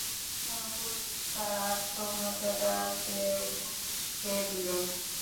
অবস্থা ও পরিবেশ তাঁর আত্মমর্যাদাকে উসকে দিল।